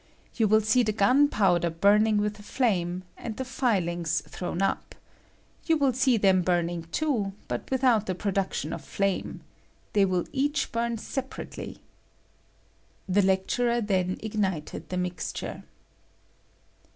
You will see the gun powder burning with a flame and the filings thrown up. You will see them burning too, but without the production of flame. They will eaeh bum separately. [The lecturer then ignited the mixture.